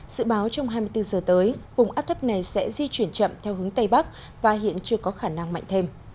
sự báo trong hai mươi bốn giờ tới vùng áp thấp này sẽ di chuyển chậm theo hướng tây bắc và hiện chưa có khả năng mạnh thêm